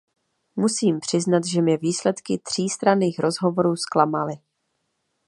Musím přiznat, že mě výsledky třístranných rozhovorů zklamaly.